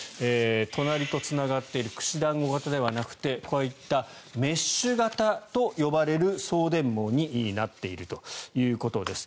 隣とつながっている串団子型ではなくてこういったメッシュ型と呼ばれる送電網になっているということです。